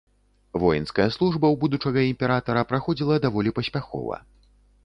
Воінская служба ў будучага імператара праходзіла даволі паспяхова.